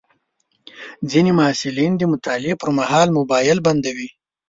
ځینې محصلین د مطالعې پر مهال موبایل بندوي.